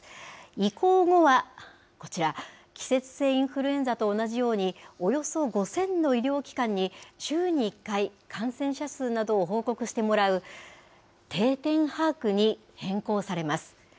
移行後はこちら、季節性インフルエンザと同じように、およそ５０００の医療機関に週に１回、感染者数などを報告してもらう、定点把握に変更されます。